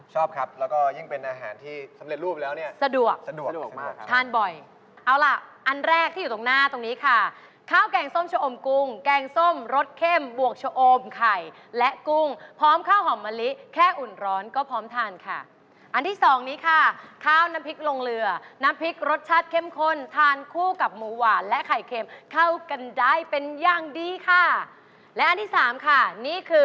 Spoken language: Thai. ชอบครับแล้วก็ยิ่งเป็นอาหารที่สำเร็จรูปแล้วนี่